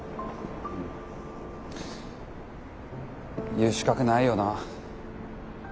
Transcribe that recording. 言う資格ないよな。